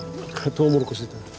トウモロコシだ。